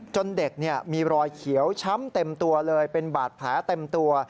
เด็กมีรอยเขียวช้ำเต็มตัวเลยเป็นบาดแผลเต็มตัว